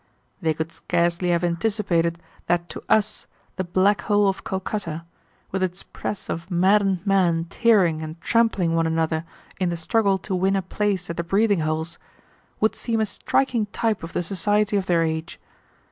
They could scarcely have anticipated that to us the Black Hole of Calcutta, with its press of maddened men tearing and trampling one another in the struggle to win a place at the breathing holes, would seem a striking type of the society of their age.